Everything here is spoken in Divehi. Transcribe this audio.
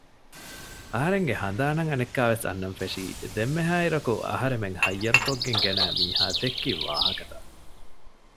އަހަރެންގެ ހަނދާނަށް އަނެއްކާވެސް އަންނަން ފެށީ ދެންމެހާއިރަކު އަހަރެމެން ހައްޔަރުކޮށްގެން ގެނައި މީހާ ދެއްކި ވާހަކަތައް